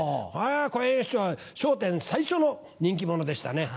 小圓遊師匠『笑点』最初の人気者でしたね。